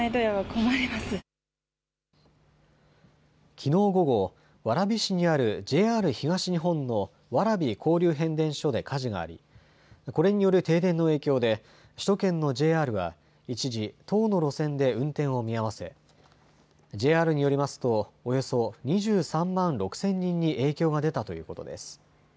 きのう午後、蕨市にあるＪＲ東日本の蕨交流変電所で火事がありこれによる停電の影響で首都圏のＪＲは一時、１０の路線で運転を見合わせＪＲによりますとおよそ２３万６０００人に影響が出たということです。